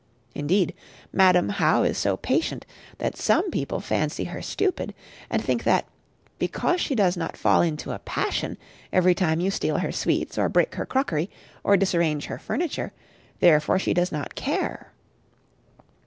Indeed, Madam How is so patient that some people fancy her stupid, and think that, because she does not fall into a passion every time you steal her sweets, or break her crockery, or disarrange her furniture, therefore she does not care.